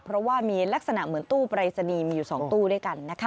เพราะว่ามีลักษณะเหมือนตู้ปรายศนีย์มีอยู่๒ตู้ด้วยกันนะคะ